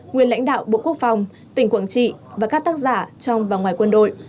nguyên lãnh đạo bộ quốc phòng tỉnh quảng trị và các tác giả trong và ngoài quân đội